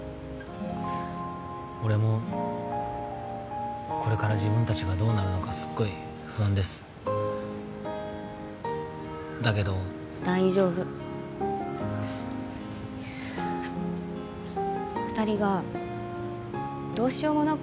俺もこれから自分達がどうなるのかすっごい不安ですだけど大丈夫二人がどうしようもなく